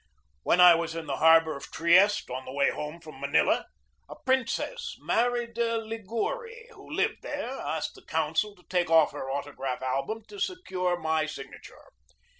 When I was in the harbor of Trieste on the way home from Manila, a Princess Mary de Ligouri, who lived there, asked the consul to take off her autograph album to secure my signa ture.